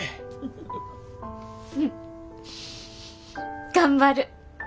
うん頑張る。